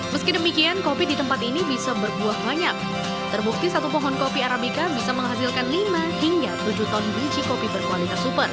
meski demikian kopi di tempat ini bisa berbuah banyak terbukti satu pohon kopi arabica bisa menghasilkan lima hingga tujuh ton biji kopi berkualitas super